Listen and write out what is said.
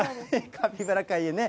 カピバラ界へね。